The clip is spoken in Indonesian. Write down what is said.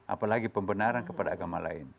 apalagi pembenaran kepada agama lain